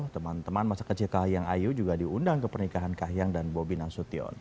teman teman masa kecil kahiyang ayu juga diundang ke pernikahan kahiyang dan bobi nasution